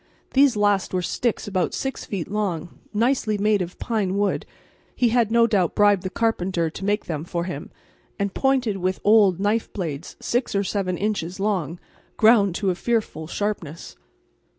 These last were sticks about six feet long, nicely made of pine wood he had no doubt bribed the carpenter to make them for him and pointed with old knife blades six or seven inches long, ground to a fearful sharpness.